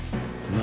何？